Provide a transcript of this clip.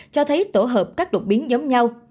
cho thấy tổ hợp các đột biến giống nhau